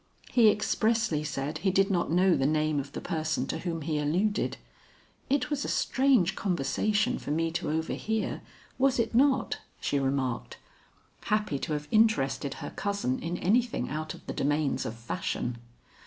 "He expressly said he did not know the name of the person to whom he alluded. It was a strange conversation for me to overhear, was it not?" she remarked, happy to have interested her cousin in anything out of the domains of fashion.